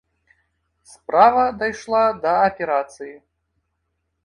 Справа дайшла да аперацыі.